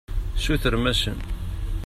Sutrem-asen.